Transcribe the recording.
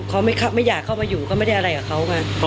เขาไม่อยากเข้ามาอยู่ก็ไม่ได้อะไรกับเขาไง